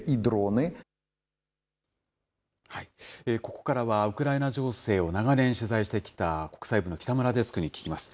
ここからは、ウクライナ情勢を長年、取材してきた国際部の北村デスクに聞きます。